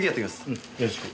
うんよろしく。